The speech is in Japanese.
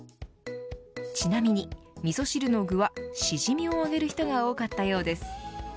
ちなみにみそ汁の分はシジミを挙げる人が多かったようです。